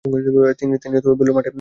তিনি বেলুড় মঠে ছিলেন।